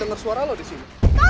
tidak ada suara lo disini